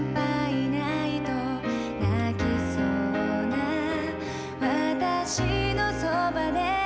「泣きそうな私の側で」